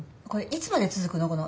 これいつまでつづくの？